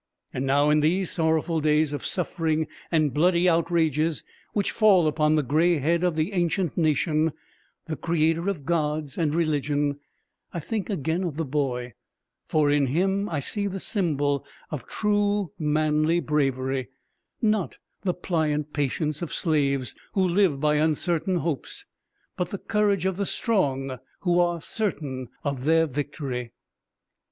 And now, in these sorrowful days of suffering and bloody outrages which fall upon the grey head of the ancient nation, the creator of Gods and religion, I think again of the boy, for in him I see the symbol of true manly bravery, not the pliant patience of slaves, who live by uncertain hopes, but the courage of the strong who are certain of their victory.